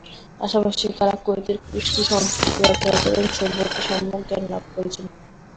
পাশাপাশি তাঁরা কুয়েতের কৃষ্টি, সংস্কৃতি, আচার আচরণ সম্পর্কে সম্যক জ্ঞান লাভ করছেন।